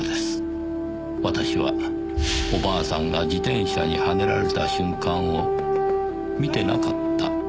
「私はお婆さんが自転車にはねられた瞬間を見てなかった」